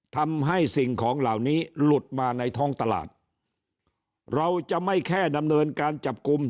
ทำให้สิ่งของเหล่านี้หลุดมาในท้องตลาดเราจะไม่แค่ดำเนินการจับกลุ่ม